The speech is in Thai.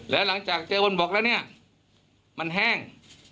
แล้วหลังจากเจอบนบกแล้วเนี่ยมันแห้ง